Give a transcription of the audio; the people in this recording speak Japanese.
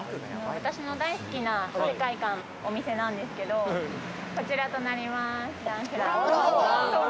私の大好きな世界観のお店なんですけど、こちらとなります。